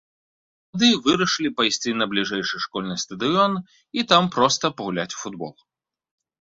Тады вырашылі пайсці на бліжэйшы школьны стадыён і там проста пагуляць у футбол.